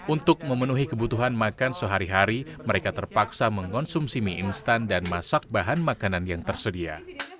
untuk memenuhi kebutuhan makan sehari hari mereka terpaksa mengonsumsi mie instan dan masak bahan makanan yang tersedia